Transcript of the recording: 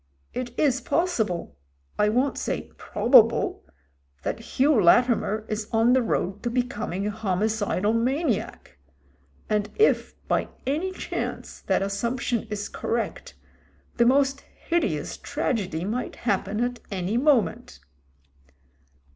It is possible — ^I won't say probable — that Hugh Latimer is on the road to becoming a homi cidal maniac. And if, by any chance, that assump tion is correct, the most hideous tragedy might happen at any moment.